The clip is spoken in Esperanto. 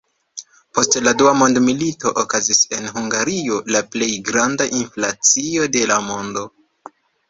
Post la Dua Mondmilito okazis en Hungario la plej granda inflacio de la mondo.